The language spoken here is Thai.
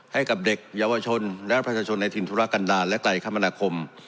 ให้กับเด็กเยาวชนและประชาชนในถิ่นธุรกันดาลและไกลคมนาคม